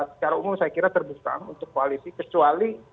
secara umum saya kira terbuka untuk koalisi kecuali